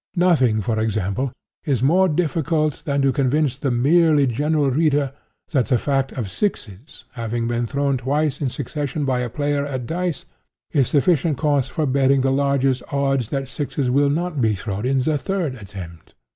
Nothing, for example, is more difficult than to convince the merely general reader that the fact of sixes having been thrown twice in succession by a player at dice, is sufficient cause for betting the largest odds that sixes will not be thrown in the third attempt.